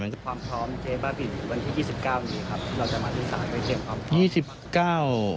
ความพร้อมเจ๊บ้าบินวันที่๒๙วันนี้ครับเราจะมารู้สารไปเจ็บพร้อม